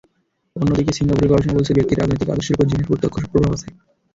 অন্যদিকে সিঙ্গাপুরের গবেষণা বলছে, ব্যক্তির রাজনৈতিক আদর্শের ওপর জিনের প্রত্যক্ষ প্রভাব আছে।